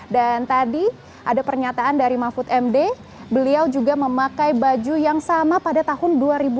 dan tadi ada pernyataan dari mahfud md beliau juga memakai baju yang sama pada tahun dua ribu sembilan belas